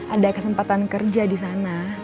ada kesempatan kerja di sana